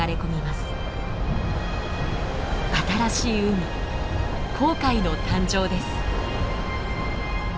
新しい海紅海の誕生です。